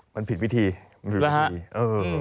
มันผิดวิธีมันผิดวิธีเออ